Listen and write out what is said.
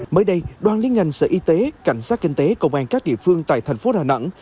mới đây đoàn liên ngành sở y tế cảnh sát kinh tế công an các địa phương tại thành phố đà nẵng